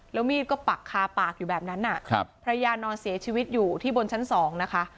แล้วมีดก็ปักคาปากอยู่แบบนั้นภรรยานอนเสียชีวิตอยู่ที่บนชั้นสองนะคะ